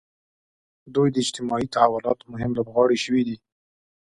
دوی د اجتماعي تحولاتو مهم لوبغاړي شوي دي.